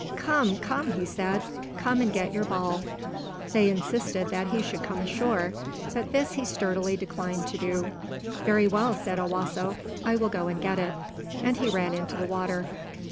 "Come, come," he said. "Come and get your ball." They insisted that he should come ashore, but this he sturdily declined to do. "Very well," said Owasso, "I will go and get it." And he ran into the water.